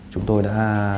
chúng tôi đã